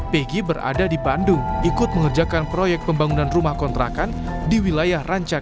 piki berada di bandung ikut mengerjakan proyek pembangunan rumah kontrakan di wilayah rancanegara